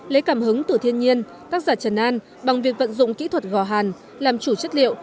lấy cảm hứng từ thiên nhiên tác giả trần an bằng việc vận dụng kỹ thuật gò hàn làm chủ chất liệu